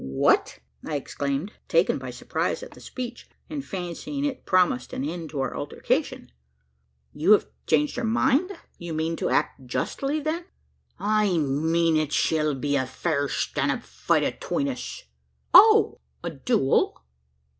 "What!" I exclaimed, taken by surprise at the speech, and fancying it promised an end to our altercation "you have changed your mind? you mean to act justly then?" "I mean, it shall be a fair stan' up fight atween us." "Oh! a duel?"